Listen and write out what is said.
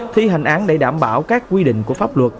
thi hành án để đảm bảo các quy định của pháp luật